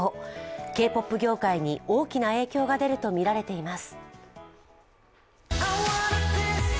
Ｋ−ＰＯＰ業界に大きな影響が出るとみられています。